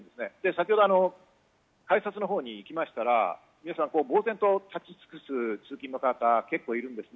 先ほど改札のほうに行きましたら、皆さん呆然と立ち尽くす通勤の方が結構いるんです。